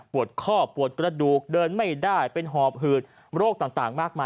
ข้อปวดกระดูกเดินไม่ได้เป็นหอบหืดโรคต่างมากมาย